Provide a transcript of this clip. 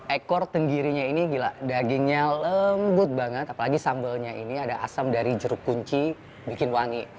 ekor tenggirinya ini gila dagingnya lembut banget apalagi sambalnya ini ada asam dari jeruk kunci bikin wangi